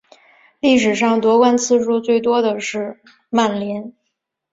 历史上夺冠次数最多的是曼联。